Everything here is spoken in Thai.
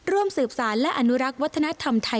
ร่วมสืบสารและอนุรักษ์วัฒนธรรมไทยโดยธนาคารกรุงเทพจำกัดมหาชน